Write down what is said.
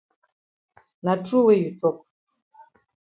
Na true wey you tok.